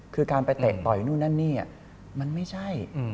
คือการไปเตะต่อยนู่นนั่นนี่มันไม่ใช่